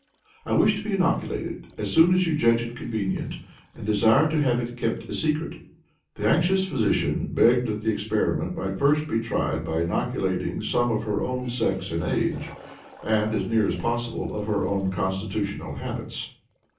I wish to be inoculated as soon as you judge it convenient, and desire to have it kept a secret." The anxious physician begged that the experiment might first be tried by inoculating some of her own sex and age, and, as near as possible, of her own constitutional habits.